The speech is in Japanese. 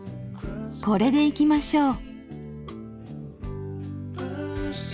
これでいきましょう。